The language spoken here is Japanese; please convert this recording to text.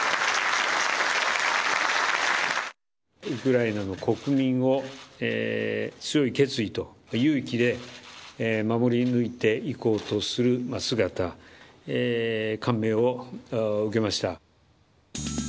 ウクライナの国民を、強い決意と勇気で守り抜いていこうとする姿、感銘を受けました。